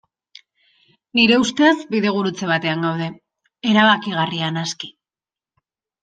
Nire ustez, bidegurutze batean gaude, erabakigarria naski.